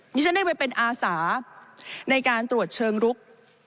ฉันได้ไปเป็นอาสาในการตรวจเชิงลุก